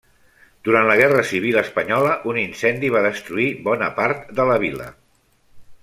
Durant la Guerra civil espanyola, un incendi va destruir bona part de la vila.